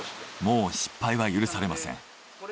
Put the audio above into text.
もう失敗は許されません。